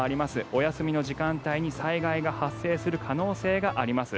お休みの時間帯に災害が発生する可能性があります。